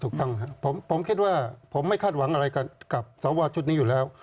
ถูกต้องครับผมคิดว่าผมไม่คาดหวังอะไรกับสวชุดนี้อยู่แล้ว